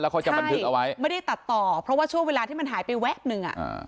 แล้วเค้าจะบันทึกเอาไว้ไม่ได้ตัดต่อเพราะว่าช่วงเวลาที่มันหายไปแว๊บนึง